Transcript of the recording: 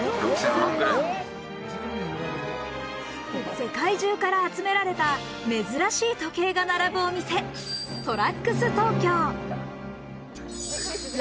世界中から集められた珍しい時計が並ぶお店、ＴＲＡＸＴＯＫＹＯ。